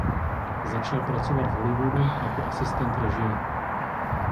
Začal pracovat v Hollywoodu jako asistent režie.